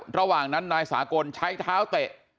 ระหว่างนั้นนายสากลใช้เท้าเตะ